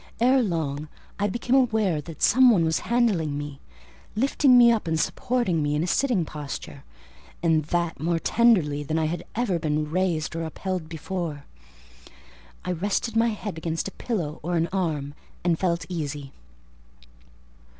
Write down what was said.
Ere long, I became aware that some one was handling me; lifting me up and supporting me in a sitting posture, and that more tenderly than I had ever been raised or upheld before. I rested my head against a pillow or an arm, and felt easy.